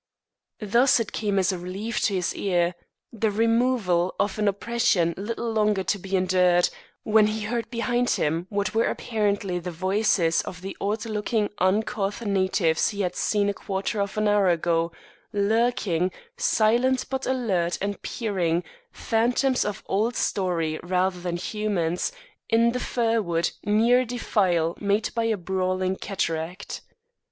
Thus it came as a relief to his ear, the removal of an oppression little longer to be endured, when he heard behind him what were apparently the voices of the odd looking uncouth natives he had seen a quarter of an hour ago lurking, silent but alert and peering, phantoms of old story rather than humans, in the fir wood near a defile made by a brawling cataract.